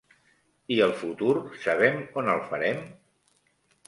I el futur sabem on el farem?